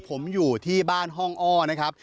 ผมอยู่ที่บ้านห้องอ้อนะครับ